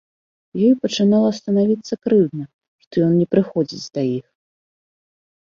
Ёй пачынала станавіцца крыўдна, што ён не прыходзіць да іх.